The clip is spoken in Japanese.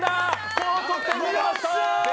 高得点が出ました！